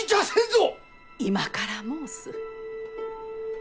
今から申す。